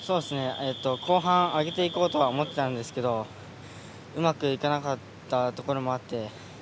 後半上げていこうとは思っていたんですけどうまくいかなかったところもあって。